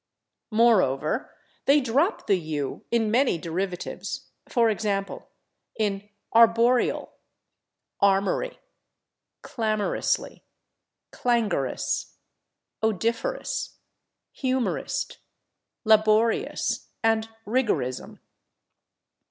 Moreover, they drop the /u/ in many derivatives, for example, in /arboreal/, /armory/, /clamorously/, /clangorous/, /odoriferous/, /humorist/, /laborious/ and /rigorism